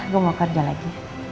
gue mau kerja lagi